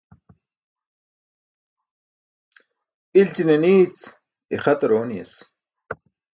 İlći̇ne ni̇i̇c, ixatar ooni̇yas.